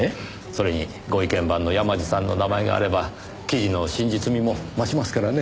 それにご意見番の山路さんの名前があれば記事の真実味も増しますからね。